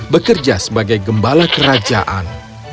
bekerja sebagai gembala kerajaan